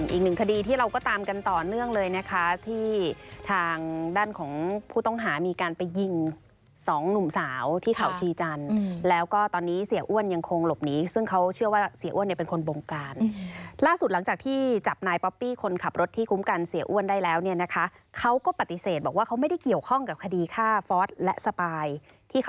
อีกหนึ่งคดีที่เราก็ตามกันต่อเนื่องเลยนะคะที่ทางด้านของผู้ต้องหามีการไปยิงสองหนุ่มสาวที่เขาชีจันทร์แล้วก็ตอนนี้เสียอ้วนยังคงหลบหนีซึ่งเขาเชื่อว่าเสียอ้วนเนี่ยเป็นคนบงการล่าสุดหลังจากที่จับนายป๊อปปี้คนขับรถที่คุ้มกันเสียอ้วนได้แล้วเนี่ยนะคะเขาก็ปฏิเสธบอกว่าเขาไม่ได้เกี่ยวข้องกับคดีฆ่าฟอสและสปายที่เขา